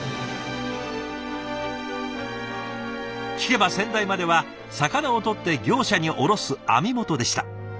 聞けば先代までは魚をとって業者に卸す網元でした。